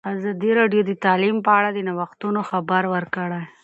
ازادي راډیو د تعلیم په اړه د نوښتونو خبر ورکړی.